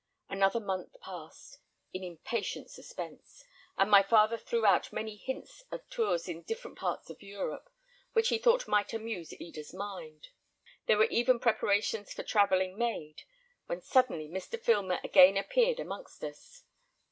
Another month passed in impatient suspense, and my father threw out many hints of tours in different parts of Europe, which he thought might amuse Eda's mind. There were even preparations for travelling made, when suddenly Mr. Filmer again appeared amongst us.